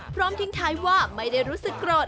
พร้อมทิ้งท้ายว่าไม่ได้รู้สึกโกรธ